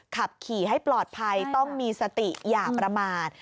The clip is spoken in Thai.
ขับขี่ให้ปลอดภัยต้องมีสติอย่าประมาท